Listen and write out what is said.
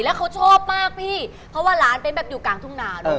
แล้วเขาชอบมากพี่เพราะว่าร้านเป็นแบบอยู่กลางทุ่งนาด้วย